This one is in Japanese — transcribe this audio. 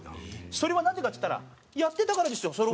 それはなんでかっつったらやってたからですよ